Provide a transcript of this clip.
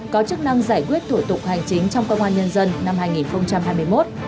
có chức năng giải quyết thủ tục hành chính trong công an nhân dân năm hai nghìn hai mươi một